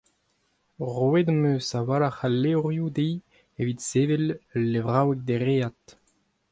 Roet em eus a-walc'h a levrioù dezhi evit sevel ul levraoueg dereat.